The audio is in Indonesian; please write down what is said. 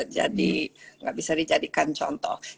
jadi tidak bisa dijadikan contoh